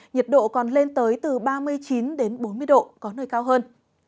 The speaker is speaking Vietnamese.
nhiệt độ còn lên tới từ ba mươi chín đến bốn mươi độ có nơi cao hơn